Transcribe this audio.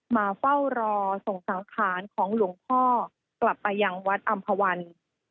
มาเฝ้ารอส่งสังขารของหลวงพ่อกลับไปยังวัดอำภาวัน